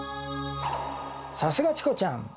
さすがチコちゃん！